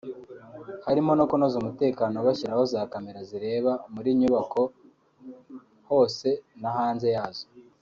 harimo no kunoza umutekano bashyiraho za Cameras zireba muri nyubako hose na hanze yazo